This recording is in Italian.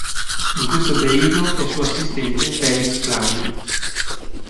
In questo periodo è suo assistente Felix Klein.